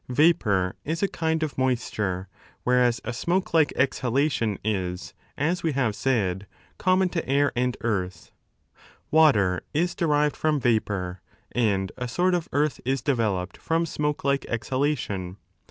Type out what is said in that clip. Vapour is a kind of moisture, whereas a smoke OHAP.v. NATURB OF SMELL 173 like exhalation is, as we have said, common to air and ectrtb. Water is derived from vapour, and a sort of earth is developed from smoke like exhalation.